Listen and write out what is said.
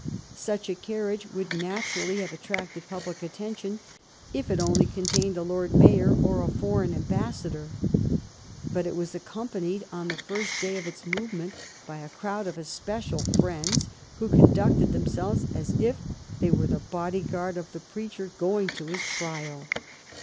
Such a carriage would naturally have attracted public attention if it only contained a Lord Mayor or a foreign ambassador. But it was accompanied on the first day of its movement by a crowd of especial friends, who conducted themselves as if they were the body guard of the preacher going to his trial.